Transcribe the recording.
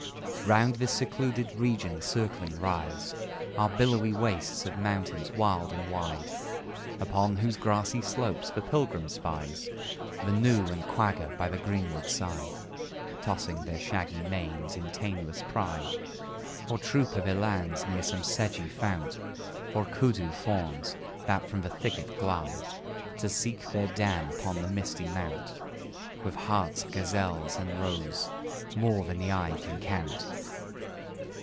Round this secluded region circling rise Are billowy wastes of mountains, wild and wide; Upon whose grassy slopes the pilgrim spies The gnu and quagga, by the greenwood side, Tossing their shaggy manes in tameless pride; Or troop of elands near some sedgy fount; Or Kùdù fawns, that from the thicket glide. To seek their dam upon the misty mount, With harts, gazelles, and roes, more than the eye can count.